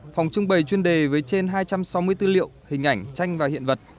phòng trưng bày chuyên đề với trên hai trăm sáu mươi tư liệu hình ảnh tranh và hiện vật